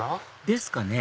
ですかね